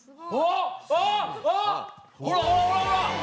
ほらほらほらほら！